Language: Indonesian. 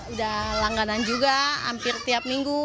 udah langganan juga hampir tiap minggu